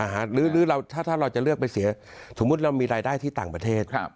หรือถ้าเราจะเลือกไปเสียสมมุติเรามีรายได้ที่ต่างประเทศ